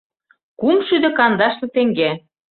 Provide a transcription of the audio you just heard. Кумшӱдӧ кандашле теҥге.